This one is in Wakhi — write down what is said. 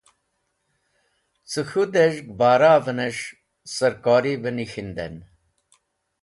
Cẽ k̃hũ dez̃hg bara’venes̃h sarkori be nik̃hinden.